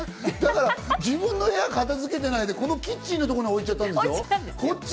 だから自分の部屋片付けてないで、このキッチンのところに置いちゃったんでしょ？